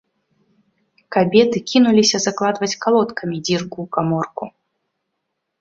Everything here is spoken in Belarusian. Кабеты кінуліся закладваць калодкамі дзірку ў каморку.